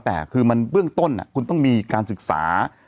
แต่คือมันเบื้องต้นคุณต้องมีการศึกษา